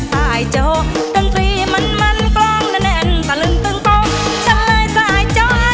สายโจ๊ะดนตรีมันมันกล้องแน่นแน่นแต่ลืนตึงตกฉันเลยสายโจ๊ะ